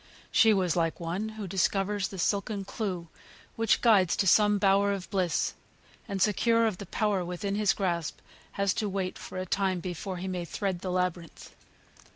She was like one who discovers the silken clue which guides to some bower of bliss, and secure of the power within his grasp, has to wait for a time before he may tread the labyrinth.